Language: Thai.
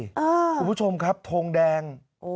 คุณผู้ชมครับทงแดง